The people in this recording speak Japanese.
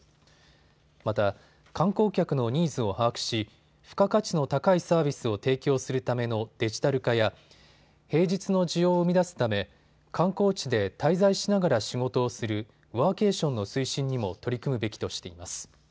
また、観光客のニーズを把握し付加価値の高いサービスを提供するためのデジタル化や平日の需要を生み出すため観光地で滞在しながら仕事をするワーケーションの推進にも取り組むべきとしています。